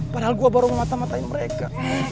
padahal gue baru mematah matahin mereka